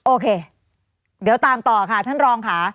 โอเคเดี๋ยวตามต่อค่ะท่านรองค่ะ